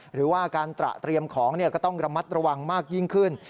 หรือว่าการตระเตรียมของก็ต้องระมัดระวังมากยิ่งขึ้น